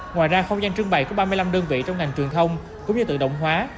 ngoài ra không gian trưng bày của ba mươi năm đơn vị trong ngành truyền thông cũng như tự động hóa